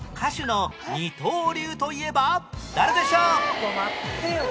ちょっと待ってよ。